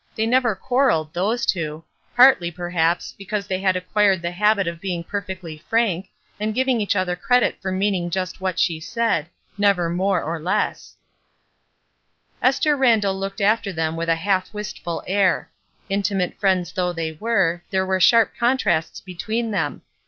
They never quarrelled, those two ; partly, per haps, because they had acquired the habit of being perfectly frank, and giving each other credit for meaning just what she said — never more nor less. ^^WHArS IN A NAME?" 11 Esther Randall looked after them with a half wistful air. Intimate friends though they were, there were sharp contrasts between them.